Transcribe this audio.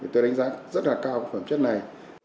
tôi đánh giá rất là cao phẩm chất này